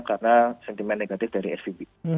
karena sentimen negatif dari svb